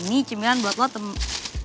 ini cemilan buat lo temen